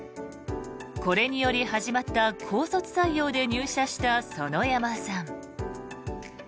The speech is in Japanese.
これにより始まった高卒採用で入社した園山さん。